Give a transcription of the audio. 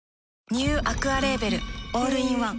ニューアクアレーベルオールインワン